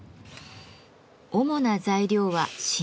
主な材料は真鍮。